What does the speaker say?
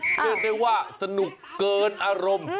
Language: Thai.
เรียกได้ว่าสนุกเกินอารมณ์